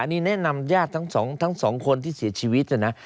อันนี้แนะนำญาติทั้งสองคนที่เสียชีวิตนะนะ